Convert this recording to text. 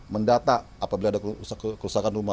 mendata apabila ada kerusakan rumah